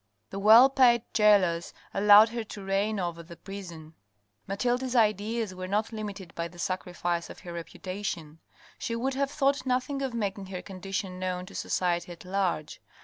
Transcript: The well paid gaolers allowed her to reign over the prison. Mathilde's ideas were not limited by the sacrifice of her reputation. She would have thought nothing of making her condition known to society at large.